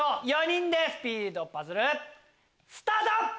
４人でスピードパズルスタート！